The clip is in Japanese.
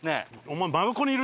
お前。